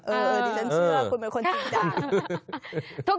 ดิฉันเชื่อคุณเป็นคนจริงจัง